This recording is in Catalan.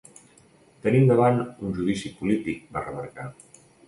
Tenim davant un judici polític, va remarcar.